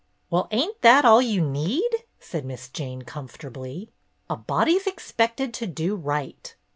"Well, ain't that all you need ?" said Miss Jane, comfortably. "A body's expected to do right.